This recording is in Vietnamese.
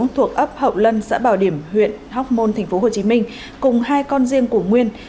thuộc ấp hậu lân xã bảo điểm huyện hóc môn tp hcm cùng hai con riêng của nguyên